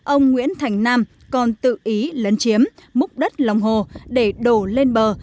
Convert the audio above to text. ông nguyễn thành nam còn tự ý lấn chiếm múc đất lòng hồ để đổ lên bờ